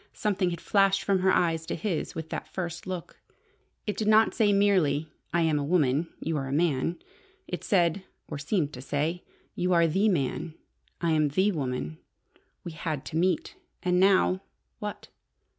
Something had flashed from her eyes to his with that first look. It did not say merely, "I am a woman. You are a man." It said or seemed to say "You are the man. I am the woman. We had to meet. And now what?"